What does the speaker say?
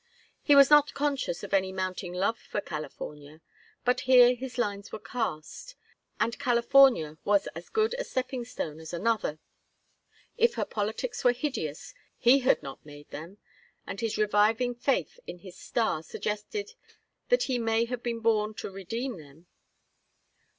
He was not conscious of any mounting love for California, but here his lines were cast, and California was as good a stepping stone as another. If her politics were hideous he had not made them, and his reviving faith in his star suggested that he may have been born to redeem them.